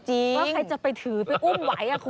ว่าใครจะไปถือไปอุ้มไหวอ่ะคุณ